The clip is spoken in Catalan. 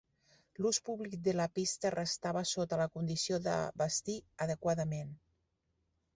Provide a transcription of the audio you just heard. L'ús públic de la pista restava sota la condició de "vestir adequadament".